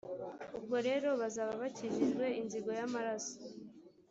ubwo rero bazaba bakijijwe inzigo y’amaraso.